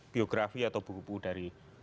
biografi atau buku buku dari